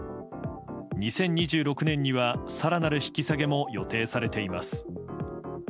２０２６年には更なる引き下げも予定されています。